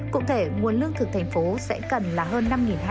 cụ thể nguồn lương thực thành phố sẽ cần là hơn